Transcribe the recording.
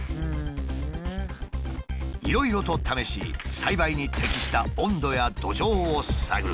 いろいろと試し栽培に適した温度や土壌を探る。